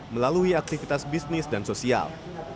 melalui aktivitas bisnis dan sosial